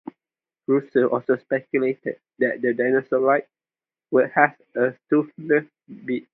Russell also speculated that the "Dinosauroid" would have had a toothless beak.